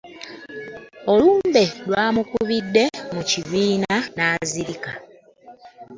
Olumbe lwamukubidde mu kibiina n'azirika.